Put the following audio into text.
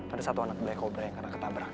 ada satu anak black cobra yang kena ketabrak